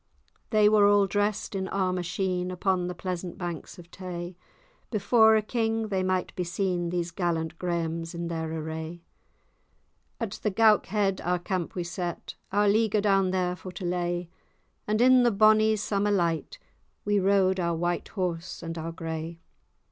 They were all drest in armour sheen, Upon the pleasant banks of Tay; Before a king they might be seen, These gallant Grahams in their array. At the Goukhead our camp we set, Our leaguer down there for to lay; And, in the bonny summer light, We rode our white horse and our gray.